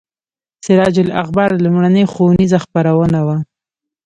سراج الاخبار لومړنۍ ښوونیزه خپرونه وه.